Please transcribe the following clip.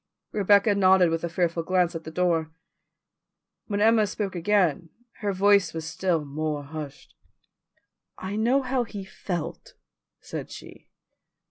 Rebecca nodded with a fearful glance at the door. When Emma spoke again her voice was still more hushed. "I know how he felt," said she.